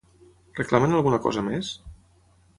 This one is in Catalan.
Reclamen alguna cosa més?